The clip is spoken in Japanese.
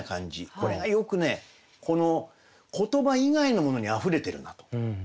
これがよくね言葉以外のものにあふれてるなと思います。